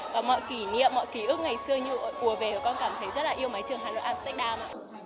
và mọi kỷ niệm mọi kỷ ức ngày xưa như cua về con cảm thấy rất là yêu mấy trường hà nội amsterdam